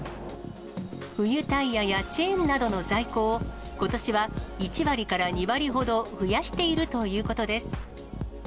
冬タイヤやチェーンなどの在庫をことしは１割から２割ほど増やしているということです。